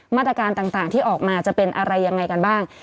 มาตรการต่างที่ออกมาจะเป็นอะไรยังไงกันบ้าง